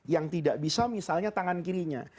yang tidak bisa misalnya tangan kirinya